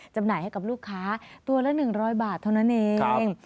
จำหน่ายให้กับลูกค้าตัวละ๑๐๐บาทเท่านั้นเอง